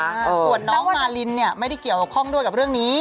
ส่วนน้องมารินเนี่ยไม่ได้เกี่ยวข้องด้วยกับเรื่องนี้